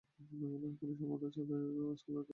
খুনী সম্ভবত ছাতের স্কাইলাইট দিয়ে ঢুকেছে।